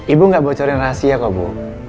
ibu gak bocorin rahasia kok bu